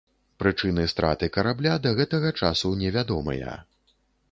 Прычыны страты карабля да гэтага часу невядомыя.